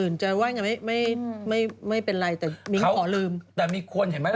ไม่งั้นเป็นการปล่อยเก่าเลยน้องก็เสีย